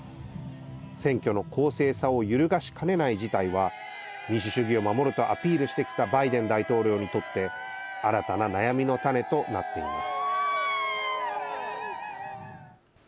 選挙の公正さを揺るがしかねない事態は民主主義を守るとアピールしてきたバイデン大統領にとって新たな悩みの種となっています。